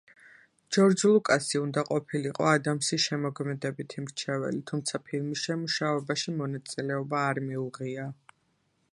ჯორჯ ლუკასი უნდა ყოფილიყო ადამსის შემოქმედებითი მრჩეველი, თუმცა ფილმის შემუშავებაში მონაწილეობა არ მიუღია.